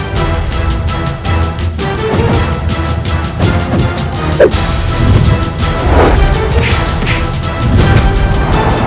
ketika aku menggunakanmu aku sudah mengamuk